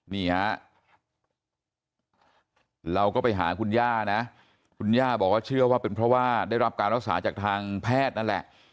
นี่ฮะเราก็ไปหาคุณย่านะคุณย่าบอกว่าเชื่อว่าเป็นเพราะว่าได้รับการรักษาจากทางแพทย์นั่นแหละ